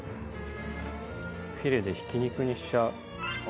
ヒレでひき肉にしちゃう。